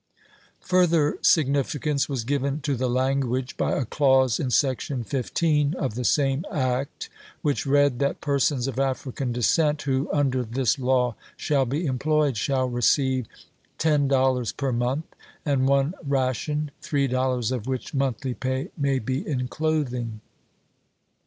Further significance was given to the language by a clause, in Section 15 of the same act, which read that " persons of African descent, who under this law shall be employed, shall receive ten dollars per month and one ration, three dol lars of which monthly pay may be in clothing."